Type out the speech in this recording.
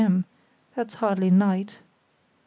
m.; that's hardly 'night'.